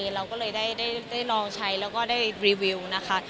เราก็เลยได้ลองใช้แล้วก็ได้รีวิวนะคะ